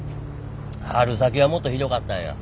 春先はもっとひどかったんや。